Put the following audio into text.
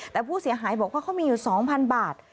แต่ผู้เสียหายบอกว่าเขามีอยู่๒๐๐๐บาท